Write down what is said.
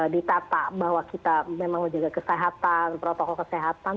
ditata bahwa kita memang menjaga kesehatan protokol kesehatan